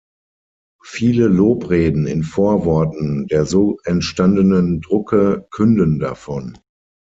Viele Lobreden in Vorworten der so entstandenen Drucke künden davon.